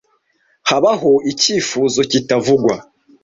Habaho icyifuzo kitavugwa